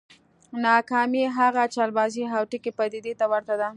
ناکامي هغې چلبازې او ټګې پديدې ته ورته ده.